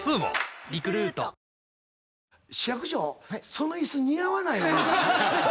その椅子似合わない。